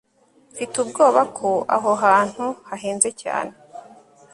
Mfite ubwoba ko aho hantu hahenze cyane